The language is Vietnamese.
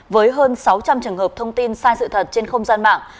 với hơn sáu trăm linh trường hợp thông tin sai sự thật trên không gian mạng